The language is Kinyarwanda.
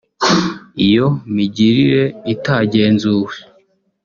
Iyo migirire itagenzuwe